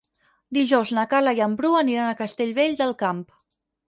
Dijous na Carla i en Bru aniran a Castellvell del Camp.